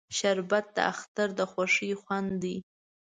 شربت د اختر د خوښۍ خوند دی